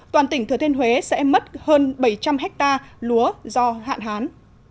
toàn tỉnh thừa thiên huế sẽ mất hơn bảy trăm linh hectare lúa do hạn hán